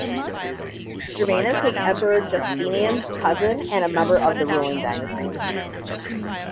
Germanus was Emperor Justinian's cousin, and a member of the ruling dynasty.